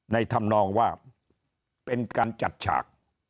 ในทำลองว่าเป็นการจัดฉาก